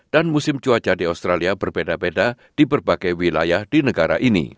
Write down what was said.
musim cuaca di australia berbeda beda di berbagai wilayah di negara ini